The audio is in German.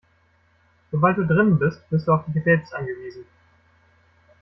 Sobald du drinnen bist, bist du auf dich selbst angewiesen.